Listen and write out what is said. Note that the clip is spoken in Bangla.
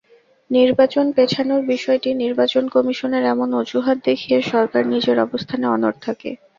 নির্বাচন পেছানোর বিষয়টি নির্বাচন কমিশনের—এমন অজুহাত দেখিয়ে সরকার নিজের অবস্থানে অনড় থাকে।